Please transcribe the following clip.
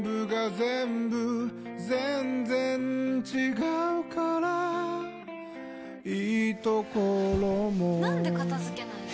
全然違うからいいところもなんで片付けないの？